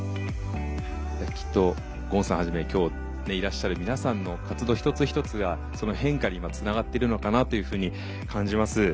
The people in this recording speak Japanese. きっと権さんはじめ今日いらっしゃる皆さんの活動一つ一つがその変化に今つながっているのかなというふうに感じます。